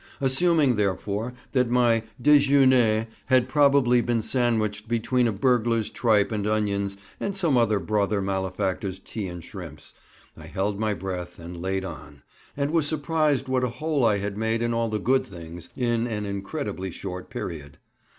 Assuming, therefore, that my déjeûner had probably been sandwiched between a burglar's tripe and onions and some other brother malefactor's tea and shrimps, I held my breath and "laid on," and was surprised what a hole I had made in all the good things in an incredibly short period.